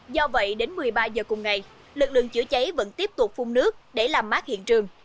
do vậy đến một mươi ba giờ cùng ngày lực lượng chữa cháy vẫn tiếp tục phun nước để làm mát hiện trường